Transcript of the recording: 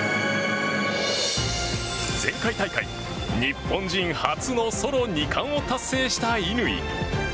前回大会、日本人初のソロ２冠を達成した乾。